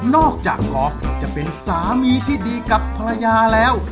อกจากกอล์ฟจะเป็นสามีที่ดีกับภรรยาแล้ว